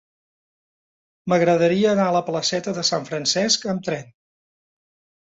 M'agradaria anar a la placeta de Sant Francesc amb tren.